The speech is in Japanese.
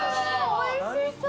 おいしそう。